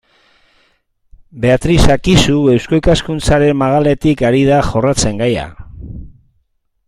Beatriz Akizu Eusko Ikaskuntzaren magaletik ari da jorratzen gaia.